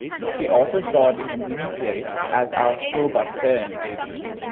She also starred in the miniseries "As Our Schoolbus Turns".